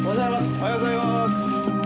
おはようございまーす。